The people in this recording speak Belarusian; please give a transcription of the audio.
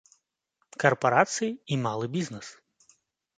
Карпарацыі і малы бізнэс.